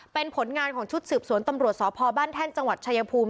เป็นผลงานของชุดสืบสวนตำรวจสพบ้านแท่นจังหวัดชายภูมิ